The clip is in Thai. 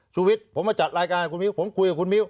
ชุวิตผมมาจัดรายการให้คุณมิวผมคุยกับคุณมิว